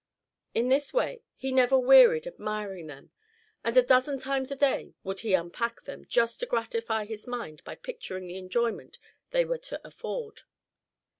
In this way he never wearied admiring them; and a dozen times a day would he unpack them, just to gratify his mind by picturing the enjoyment they were to afford.